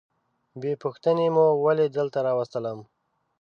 بې پوښتنې مو ولي دلته راوستلم؟